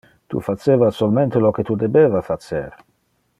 Tu faceva solmente lo que tu debeva facer.